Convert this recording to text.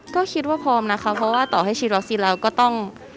ก็คิดว่าพร้อมนะคะเพราะว่าต่อให้ฉีดวัคซีนแล้วก็ต้อง